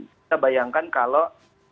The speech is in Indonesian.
kita bayangkan kalau